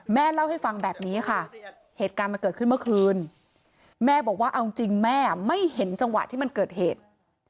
แม่เล่าให้ฟังแบบนี้ค่ะเหตุการณ์มันเกิดขึ้นเมื่อคืนแม่บอกว่าเอาจริงแม่ไม่เห็นจังหวะที่มันเกิดเหตุ